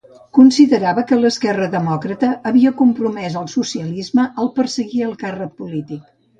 Considerava que l'esquerra demòcrata havia compromès el socialisme al perseguir el càrrec polític.